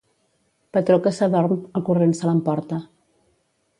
Patró que s'adorm, el corrent se l'emporta.